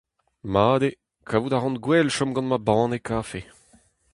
Mat eo, kavout a ran gwell chom gant ma banne kafe.